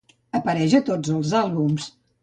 Apareix a tots els àlbums.